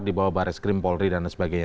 di bawah baris krim polri dan sebagainya